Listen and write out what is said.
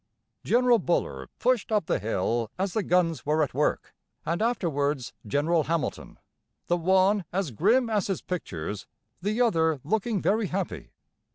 General Buller pushed up the hill as the guns were at work, and afterwards General Hamilton; the one as grim as his pictures, the other looking very happy.